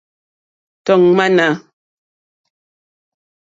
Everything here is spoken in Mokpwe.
Tɔ̀ ŋmánà.